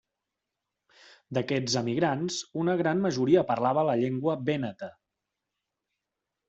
D'aquests emigrants, una gran majoria parlava la llengua vèneta.